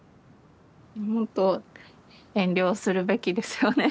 もっと遠慮するべきですよね。